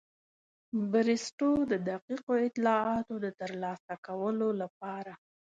بریسټو د دقیقو اطلاعاتو د ترلاسه کولو لپاره.